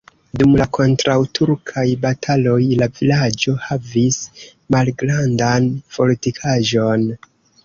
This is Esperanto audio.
Dum la kontraŭturkaj bataloj la vilaĝo havis malgrandan fortikaĵon.